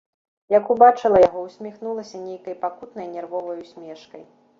Як убачыла яго, усміхнулася нейкай пакутнай нервовай усмешкай.